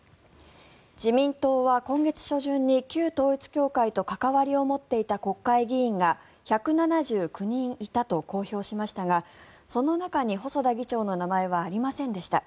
自民党は今月初旬に旧統一教会と関わりを持っていた国会議員が１７９人いたと公表しましたがその中に細田議長の名前はありませんでした。